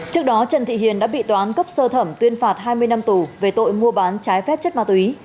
trước đó trần thị hiền đã bị toán cấp sơ thẩm tuyên phạt hai mươi năm tù về tội mua bán trái phép chất ma túy